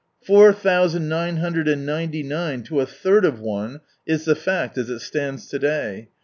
Four thousand nine hundred and ninety nine to a third ef ane, is the fact as it stands to day.